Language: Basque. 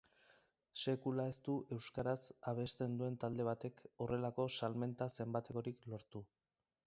Sekula ez du euskaraz abesten duen talde batek horrelako salmenta-zenbatekorik lortu.